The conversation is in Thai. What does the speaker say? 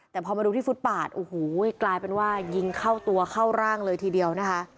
แต่พอมาดูที่ฟุตปาดโอ้โหกลายเป็นว่ายิงเข้าตัวเข้าร่างเลยทีเดียวนะคะ